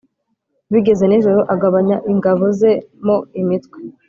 Bigeze nijoro agabanya ingabo ze mo imitwe